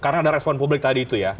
karena ada respon publik tadi itu ya